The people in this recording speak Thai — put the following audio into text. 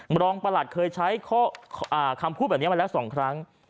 มรองประหลัดเคยใช้ข้ออ่าคำพูดแบบนี้มาแล้วสองครั้ง